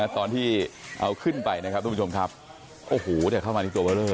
ตอนที่เอาขึ้นไปทุกผู้ชมครับเข้ามาอีกตัวเบลอเลย